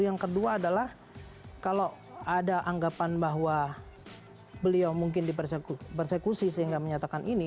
yang kedua adalah kalau ada anggapan bahwa beliau mungkin dipersekusi sehingga menyatakan ini